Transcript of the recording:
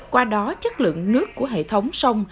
qua đó chất lượng nước của hệ thống sông